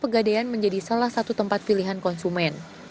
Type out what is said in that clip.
pembeli beli pegadaian menjadi salah satu tempat pilihan konsumen